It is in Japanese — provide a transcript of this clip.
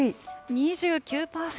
２９％。